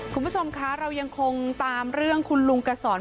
คุณผู้ชมคะเรายังคงตามเรื่องคุณลุงกระสอน